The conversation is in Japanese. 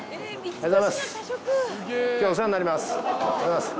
おはようございます。